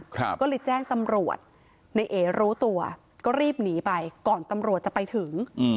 ก็เลยแจ้งตำรวจในเอรู้ตัวก็รีบหนีไปก่อนตำรวจจะไปถึงอืม